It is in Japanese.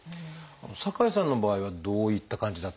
酒井さんの場合はどういった感じだったんでしょう？